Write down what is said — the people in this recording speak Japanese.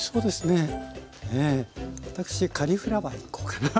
ねえ私カリフラワーいこうかな。